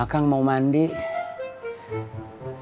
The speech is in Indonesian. aku udah bersaksikan uma foi lights juga sih